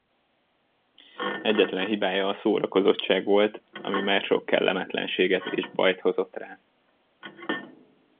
Egyetlen hibája a szórakozottság volt, ami már sok kellemetlenséget és bajt hozott rá.